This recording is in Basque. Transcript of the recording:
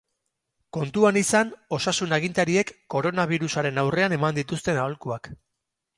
Kontuan izan osasun agintariek koronabirusaren aurrean eman dituzten aholkuak.